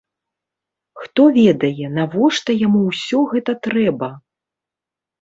Хто ведае, навошта яму ўсё гэта трэба?